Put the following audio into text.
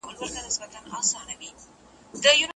اختلاف طبيعي دی خو مدیریت مهم دی.